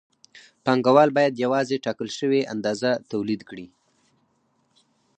پانګوال باید یوازې ټاکل شوې اندازه تولید کړي